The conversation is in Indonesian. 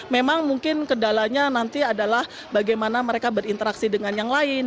memang mungkin kendalanya nanti adalah bagaimana mereka berinteraksi dengan yang lain